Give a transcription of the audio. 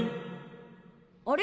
あれ？